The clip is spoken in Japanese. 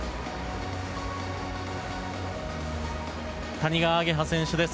谷川亜華葉選手です。